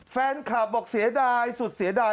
แฟนคลับบอกเสียดายสุดเสียดาย